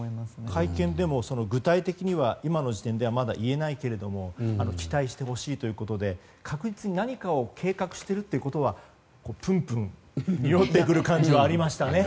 会見でも具体的には今の時点ではまだ言えないけれども期待してほしいということで確実に何かを計画しているということはぷんぷんにおってくる感じありましたね。